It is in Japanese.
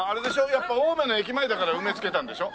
やっぱ青梅の駅前だから「うめ」付けたんでしょ？